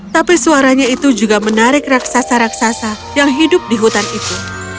tapi suaranya itu juga menarik raksasa raksasa yang hidup di hutan itu